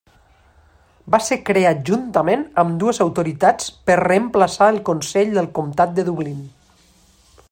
Va ser creat juntament amb dues autoritats per reemplaçar el Consell del Comtat de Dublín.